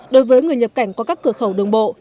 đối với người nhập cảnh qua các cửa khẩu đường bộ